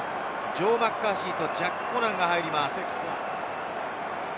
ジョー・マッカーシーとジャック・コナンが入ります。